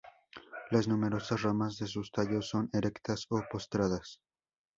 Las numerosas ramas de sus tallos son erectas o postradas.